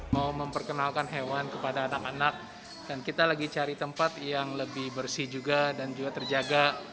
mau memperkenalkan hewan kepada anak anak dan kita lagi cari tempat yang lebih bersih juga dan juga terjaga